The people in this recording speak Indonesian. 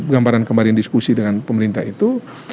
gambaran kemarin diskusi dengan pemerintah itu